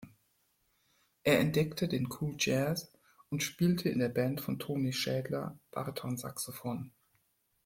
Er entdeckte den Cool Jazz und spielte in der Band von Toni Schädler Baritonsaxophon.